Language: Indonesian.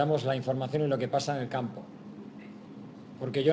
kami memberikan informasi tentang apa yang terjadi di permainan